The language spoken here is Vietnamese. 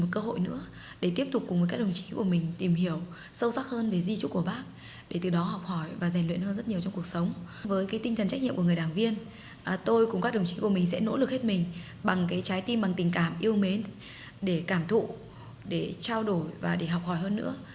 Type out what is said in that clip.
các đồng chí của mình sẽ nỗ lực hết mình bằng cái trái tim bằng tình cảm yêu mến để cảm thụ để trao đổi và để học hỏi hơn nữa